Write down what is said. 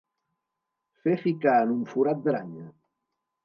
Fer ficar en un forat d'aranya.